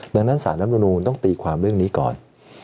ดังนั้นสารรัฐมนูลต้องตีความเรื่องนี้ก่อน